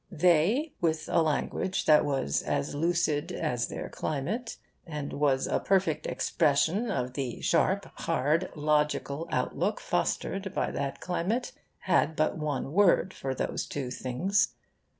They, with a language that was as lucid as their climate and was a perfect expression of the sharp hard logical outlook fostered by that climate, had but one word for those two things.